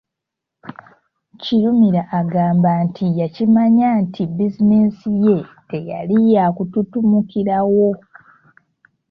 Kirumira agamba nti yakimanya nti bizinensi ye teyali ya kutuntumukirawo.